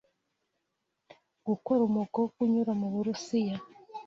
Gukora umugongo unyura mu Burusiya